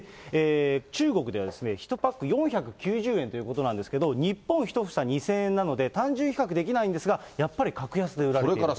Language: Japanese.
中国では１パック４９０円ということなんですけど、日本１房２０００円なので、単純比較できないんですが、やっぱり格安で売られていると。